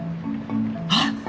あっ！